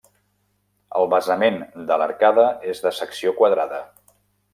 El basament de l'arcada és de secció quadrada.